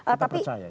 kita percaya itu